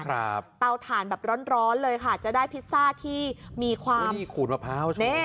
เตาถ่านแบบร้อนร้อนเลยค่ะจะได้พิซซ่าที่มีความมีขูดมะพร้าวใช่ไหม